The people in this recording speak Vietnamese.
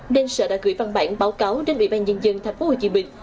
nên sở đã gửi văn bản báo cáo đến ủy ban nhân dân tp hcm